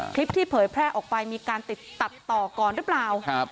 คลิปที่เผยแพร่ออกไปมีการติดตัดต่อก่อนหรือเปล่า